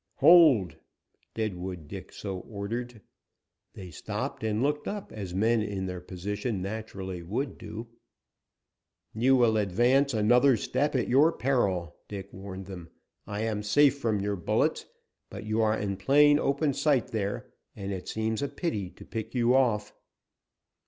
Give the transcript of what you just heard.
"Hold!" Deadwood Dick so ordered. They stopped and looked up, as men in their position naturally would do. "You will advance another step at your peril," Dick warned them. "I am safe from your bullets, but you are in plain open sight there, and it seems a pity to pick you off."